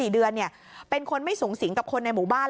๔เดือนเป็นคนไม่สูงสิงกับคนในหมู่บ้าน